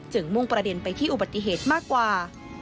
มุ่งประเด็นไปที่อุบัติเหตุมากกว่า